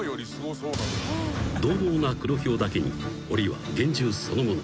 ［どう猛なクロヒョウだけにおりは厳重そのもの］